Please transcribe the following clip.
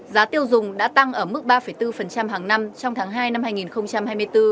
giá tiêu dùng đã tăng ở mức ba bốn hàng năm trong tháng hai năm hai nghìn hai mươi bốn